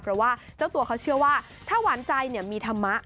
เพราะว่าเจ้าตัวเขาเชื่อว่าถ้าหวานใจมีธรรมะ